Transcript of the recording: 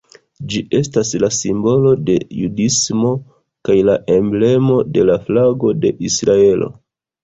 Ĝi estas la simbolo de judismo kaj la emblemo de la flago de Israelo.